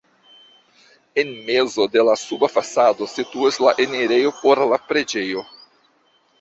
En mezo de la suba fasado situas la enirejo por la preĝejo.